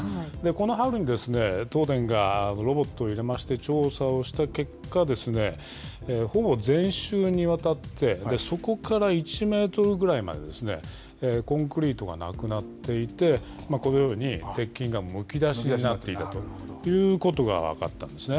この春に東電がロボットを入れまして、調査をした結果ですね、ほぼ全周にわたって、底から１メートルぐらいまでですね、コンクリートがなくなっていて、このように鉄筋がむき出しになっていたということが分かったんですね。